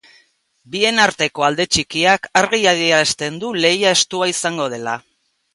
Bien arteko alde txikiak argi adierazten du lehia estua izango dela.